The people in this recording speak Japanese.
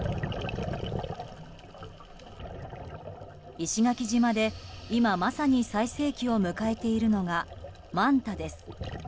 石垣島で今まさに最盛期を迎えているのがマンタです。